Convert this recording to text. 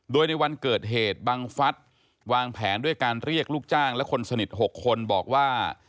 โดยในวันเกิดเหตุบังฟัฐวางแผนด้วยการเรียกลูกจ้างและคนสนิท๖คนบอกว่า